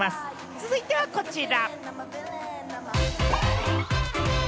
続いては、こちら！